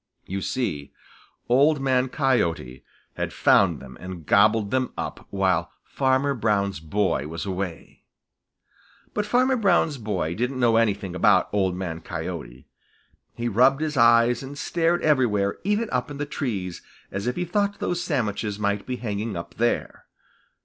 You see, Old Man Coyote had found them and gobbled them up while Farmer Brown's boy was away. But Farmer Brown's boy didn't know anything about Old Man Coyote. He rubbed his eyes and stared everywhere, even up in the trees, as if he thought those sandwiches might be hanging up there.